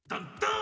ん？